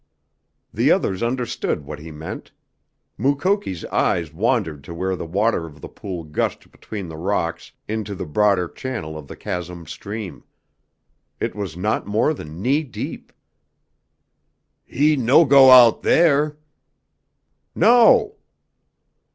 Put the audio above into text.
The others understood what he meant. Mukoki's eyes wandered to where the water of the pool gushed between the rocks into the broader channel of the chasm stream. It was not more than knee deep! "He no go out there!" "No!"